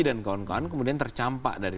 dan kawan kawan kemudian tercampak dari